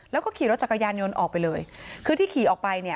แล้วก็ขี่รถจักรยานยนต์ออกไปเลยคือที่ขี่ออกไปเนี่ย